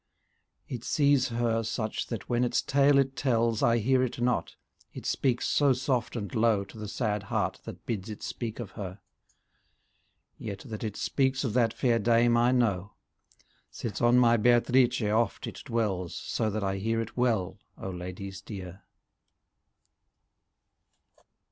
It sees her such that when its tale it tells, I hear it not, it speaks so soft and low To the sad heart that bids it speak of her; Yet that it speaks of that fair dame I know. Since on my Beatrice oft it dwells. So that I hear it well, O ladies dear.